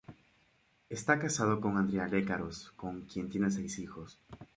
Esta casado con Andrea Lecaros, con quien tiene seis hijos.